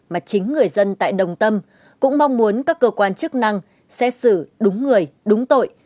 mà chính người dân tại đồng tâm cũng mong muốn các cơ quan chức năng xét xử đúng người đúng tội